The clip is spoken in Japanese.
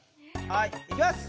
はいいきます！